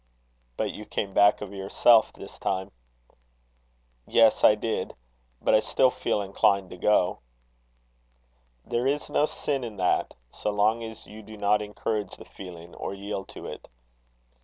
"But you came back of yourself this time." "Yes I did. But I still feel inclined to go." "There is no sin in that, so long as you do not encourage the feeling, or yield to it."